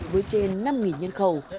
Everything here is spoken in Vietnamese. nhiều nghìn nhân khẩu